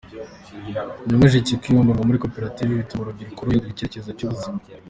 Nyamasheke Kwibumbira muri Koperative bituma urubyiruko ruhindura icyerekezo cy’ubuzima